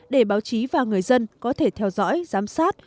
để báo chí và người dân có thể theo dõi giám sát